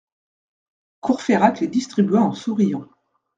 Courfeyrac les distribua en souriant.